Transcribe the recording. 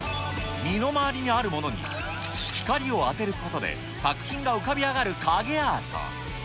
身の回りにあるものに光を当てることで作品が浮かび上がる、影アート。